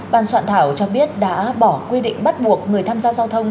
ban soạn thảo cho biết đã bỏ quy định bắt buộc người tham gia giao thông